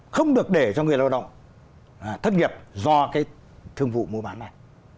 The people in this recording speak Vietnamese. không được để cho người lao động thất nghiệp do cái thương vụ mua bán này